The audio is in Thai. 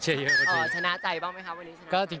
ชนะใจเปล่ามั้ยครับวันนี้